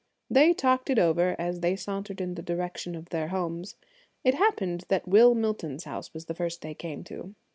They talked it over as they sauntered in the direction of their homes. It happened that Will Milton's house was the first they came to.